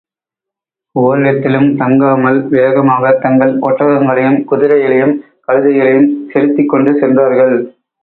ஓரிடத்திலும் தங்காமல், வேகமாகத் தங்கள் ஒட்டகங்களையும், குதிரைகளையும், கழுதைகளையும் செலுத்திக்கொண்டு சென்றார்கள்.